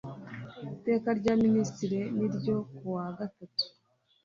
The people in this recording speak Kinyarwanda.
Iteka rya minisitiri niryo ku wa gatatu